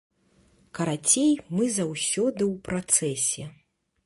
Карацей, мы заўсёды ў працэсе.